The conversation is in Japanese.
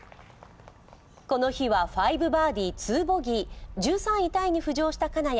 この日は５バーディー２ボギー１３位タイに浮上した金谷。